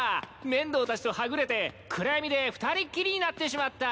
面堂たちとはぐれて暗闇で２人っきりになってしまった。